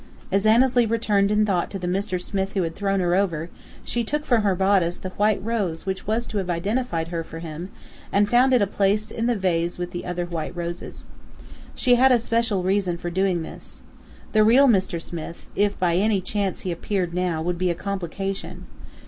As Annesley returned in thought to the Mr. Smith who had thrown her over, she took from her bodice the white rose which was to have identified her for him, and found it a place in the vase with the other white roses. She had a special reason for doing this. The real Mr. Smith, if by any chance he appeared now, would be a complication.